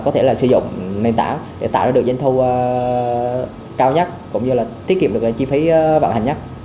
có thể sử dụng nền tảng để tạo ra được doanh thu cao nhất cũng như tiết kiệm được chi phí bản hành nhất